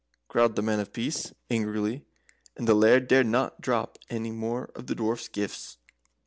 growled the Man of Peace, angrily, and the Laird dared not drop any more of the Dwarfs gifts.